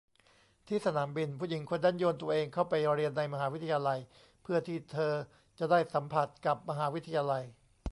ที่สนามบินผู้หญิงคนนั้นโยนตัวเองเข้าไปเรียนในวิทยาลัยเพื่อที่เธอจะได้สัมผัสกับมหาวิทยาลัย